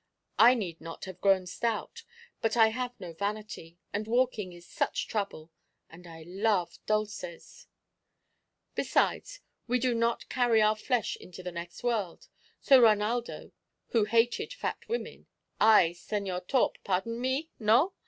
I need not have grown stout; but I have no vanity, and walking is such trouble, and I love dulces. Besides, we do not carry our flesh into the next world; so Reinaldo, who hated fat women Ay, Señor Torp, pardon me, no?